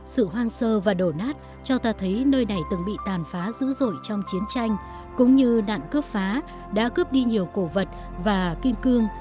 sự hoang sơ và đổ nát cho ta thấy nơi này từng bị tàn phá dữ dội trong chiến tranh cũng như nạn cướp phá đã cướp đi nhiều cổ vật và kim cương